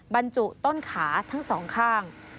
บรรจุต้นขาทั้งสองข้าง